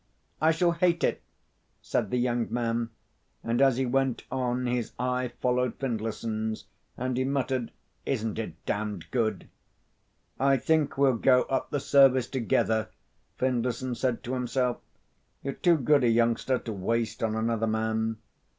"I shall hate it!" said the young man, and as he went on his eye followed Findlayson's, and he muttered, "Isn't it damned good?" "I think we'll go up the service together," Findlayson said to himself. "You're too good a youngster to waste on another man.